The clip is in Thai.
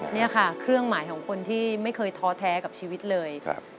นี่ค่ะเครื่องหมายของคนที่ไม่เคยท้อแท้กับชีวิตเลย